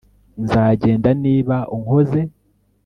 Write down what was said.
Nzagenda niba unkoze